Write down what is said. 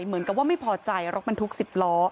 เหมือนกับว่าไม่พอใจรถเป็นทุกสิบล้อ